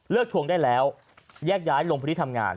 เลือกทวงได้แล้วแยกย้ายลงพฤติธรรมงาน